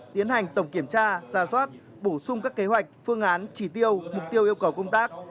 tiến hành tổng kiểm tra ra soát bổ sung các kế hoạch phương án chỉ tiêu mục tiêu yêu cầu công tác